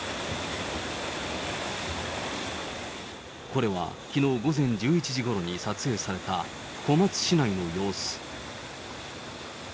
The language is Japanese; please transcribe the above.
これはきのう午前１１時ごろに撮影された、小松市内の様子。